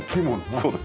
そうです。